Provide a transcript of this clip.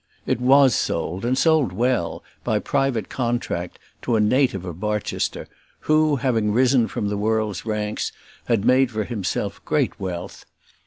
It was sold, and sold well, by private contract to a native of Barchester, who, having risen from the world's ranks, had made for himself great wealth.